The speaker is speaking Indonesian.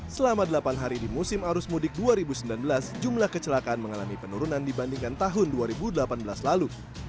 selama delapan hari di musim arus mudik dua ribu sembilan belas jumlah kecelakaan mengalami penurunan dibandingkan tahun dua ribu delapan belas lalu